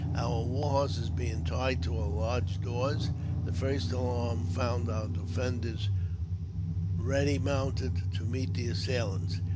Our war horses being tied to our lodge doors, the first alarm found our defenders ready mounted to meet the assailants.